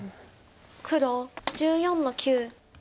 黒１４の九。